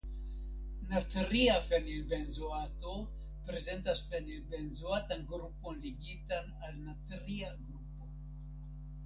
Natria fenilbenzoato prezentas fenilbenzoatan grupon ligitan al natria grupo.